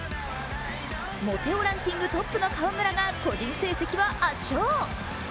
モテ男ランキングトップの河村が個人成績は圧勝。